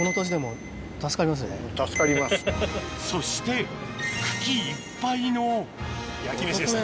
そして茎いっぱいの焼き飯でしたね。